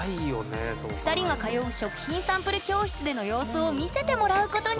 ２人が通う食品サンプル教室での様子を見せてもらうことに！